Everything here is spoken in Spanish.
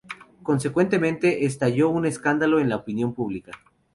Consecuentemente, estalló un escándalo en la opinión pública.